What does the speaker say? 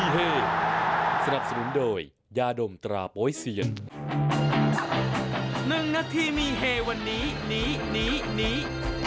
หนีหนีหนีหนี